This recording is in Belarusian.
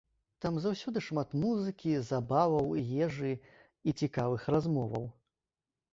Там заўсёды шмат музыкі, забаваў, ежы і цікавых размоваў.